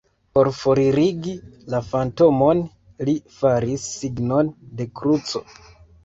Por foririgi la fantomon, li faris signon de kruco.